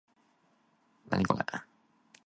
劏房嘅住屋問題好嚴重